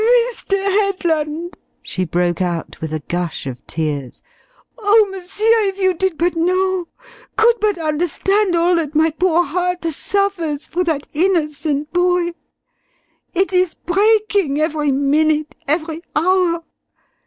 "Mr. Headland!" she broke out with a gush of tears. "Oh, m'sieur, if you did but know could but understand all that my poor heart suffers for that innocent boy! It is breaking every minute, every hour.